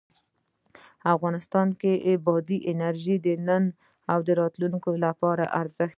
افغانستان کې بادي انرژي د نن او راتلونکي لپاره ارزښت لري.